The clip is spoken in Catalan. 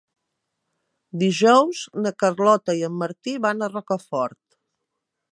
Dijous na Carlota i en Martí van a Rocafort.